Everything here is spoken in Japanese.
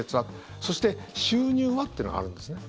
そして、収入は？っていうのがあるんですね。